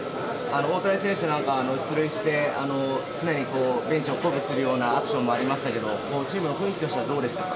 大谷選手、出塁して常にベンチを鼓舞するようなアクションもありましたけど、チームの雰囲気としてはどうでしたか。